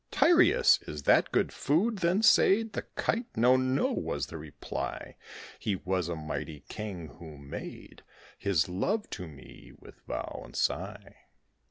"Tyreus! is that good food?" then said The Kite. "No, no;" was the reply; "He was a mighty king, who made His love to me, with vow and sigh.